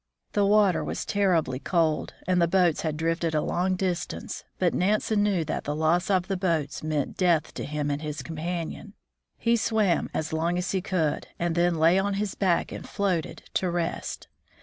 The water was terribly cold and the boats had drifted a long distance, but Nansen knew that the loss of the boats meant death to him and his companion. He swam as long as he could, and then lay on his back and floated, to rest.